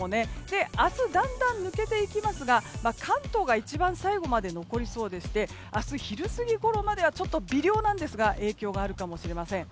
明日、だんだん抜けていきますが関東が一番最後まで残りそうでして明日昼過ぎごろまでは微量なんですが影響があるかもしれません。